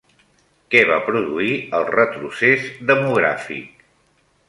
Què va produir el retrocés demogràfic?